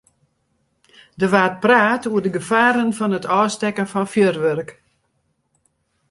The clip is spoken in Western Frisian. Der waard praat oer de gefaren fan it ôfstekken fan fjoerwurk.